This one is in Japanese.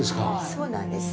そうなんです。